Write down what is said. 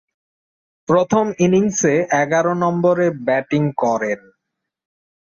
প্রথম ইনিংসে এগারো নম্বরে ব্যাটিং করেন।